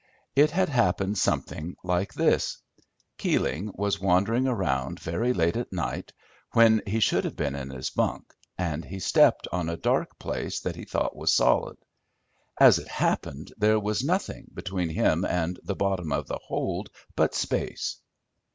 It had happened something like this: Keeling was wandering around very late at night, when he should have been in his bunk, and he stepped on a dark place that he thought was solid. As it happened, there was nothing between him and the bottom of the hold but space.